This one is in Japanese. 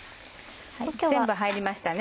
全部入りましたね